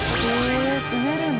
住めるの？